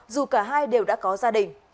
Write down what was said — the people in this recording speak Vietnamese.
dù cả hai đều đã có gia đình